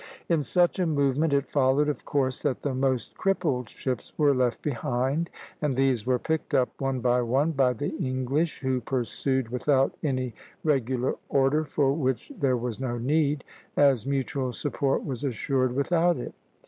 In such a movement, it followed of course that the most crippled ships were left behind, and these were picked up, one by one, by the English, who pursued without any regular order, for which there was no need, as mutual support was assured without it.